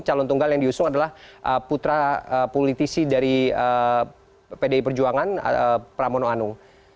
calon tunggal yang diusung adalah putra politisi dari pdi perjuangan pramono anung